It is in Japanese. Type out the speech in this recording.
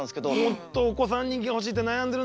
もっとお子さん人気が欲しいって悩んでるんですよ。